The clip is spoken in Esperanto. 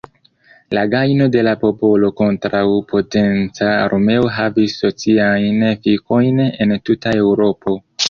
La gajno de la popolo kontraŭ potenca armeo havis sociajn efikojn en tuta Eŭropo.